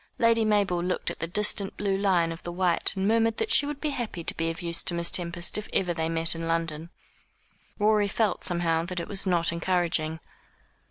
Lady Mabel looked at the distant blue line of the Wight, and murmured that she would be happy to be of use to Miss Tempest if ever they met in London. Rorie felt, somehow, that it was not encouraging.